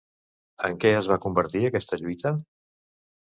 En què es va convertir aquesta lluita?